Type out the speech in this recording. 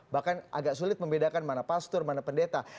bahkan agak sulit membedakan mana pastor mana pendeta